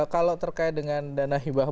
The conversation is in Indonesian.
kalau terkait dengan dana hibah